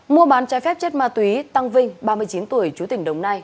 mua bán trái phép chất ma túy tăng vinh ba mươi chín tuổi chú tỉnh đồng nai